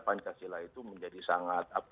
pancasila itu menjadi sangat